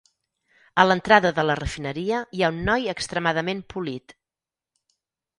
A l'entrada de la refineria hi ha un noi extremadament polit.